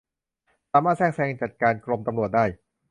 สามารถแทรกแซงจัดการกรมตำรวจได้